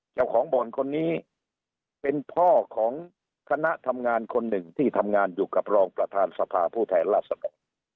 เจ้าของบ่อนคนนี้เป็นพ่อของคณะทำงานคนหนึ่งที่ทำงานอยู่กับรองประธานสภาผู้แทนราษฎร